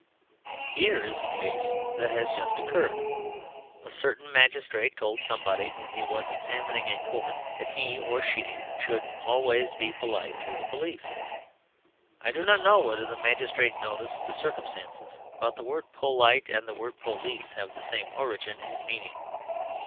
Here is a case that has just occurred. A certain magistrate told somebody whom he was examining in court that he or she "should always be polite to the police." I do not know whether the magistrate noticed the circumstance, but the word "polite" and the word "police" have the same origin and meaning.